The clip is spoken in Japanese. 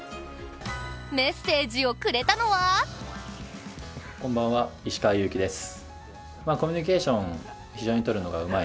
メッセージをくれたのはこんばんは、石川祐希です。